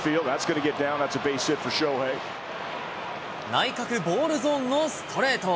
内角ボールゾーンのストレート。